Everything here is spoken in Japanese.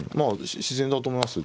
自然だと思います。